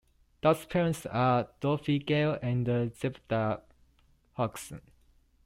Dot's parents are Dorothy Gale and Zebediah Hugson.